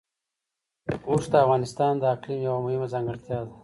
اوښ د افغانستان د اقلیم یوه مهمه ځانګړتیا ده.